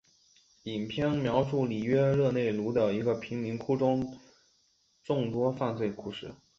影片描述里约热内卢的一个贫民窟中的众多犯罪故事。